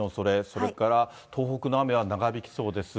それから東北の雨は長引きそうです。